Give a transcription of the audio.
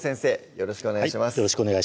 よろしくお願いします